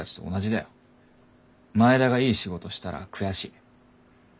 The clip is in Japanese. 前田がいい仕事したら悔しい。